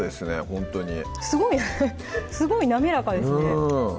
ほんとにすごい滑らかですね